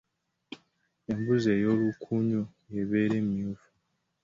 Embuzi ey'olukunyu y'ebeera emyufu.